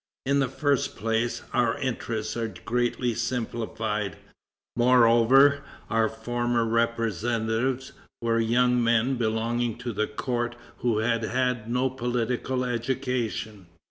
In the first place, our interests are greatly simplified; moreover, our former representatives were young men belonging to the court who had had no political education.